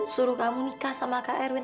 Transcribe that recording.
suruh kamu nikah sama kak erwin